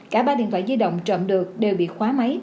cả ba điện thoại di động trộm được đều bị khóa máy